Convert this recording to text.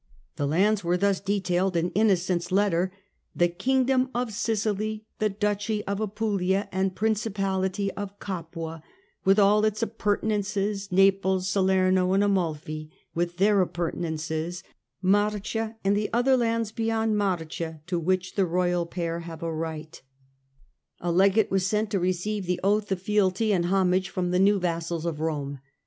The lands are thus detailed in Innocent's letter :" The Kingdom of Sicily, the Duchy of Apulia and Principality of Capua, with all its appurtenances, Naples, Salerno and Amalfi, with their appurtenances, Marcia and the other lands be yond Marcia, to which the Royal pair have a right " THE CHILD OF MOTHER CHURCH 27 A Legate was sent to receive the oath of fealty and homage from the new vassals of Rome.